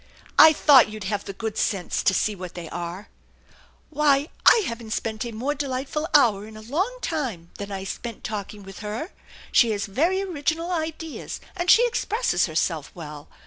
I thought you'd have the good sense to see what they are/' " Why, I haven't spent a more delightful hour in a long time than I spent talking with her. She has very original ideas, and she expresses herself well.